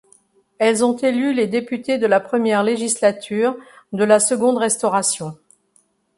Elles ont élu les députés de la première législature de la Seconde Restauration.